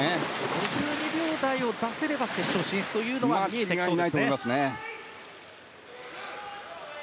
５２秒台を出せれば決勝進出が見えてきそうです。